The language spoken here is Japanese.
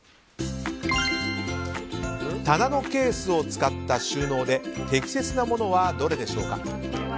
棚のケースを使った収納で適切なものはどれでしょうか？